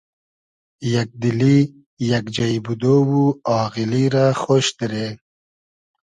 یئگ دیلی ، یئگ جݷ بودۉ و آغیلی رۂ خۉش دیرې